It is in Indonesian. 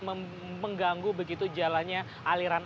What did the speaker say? mengganggu begitu jalannya aliran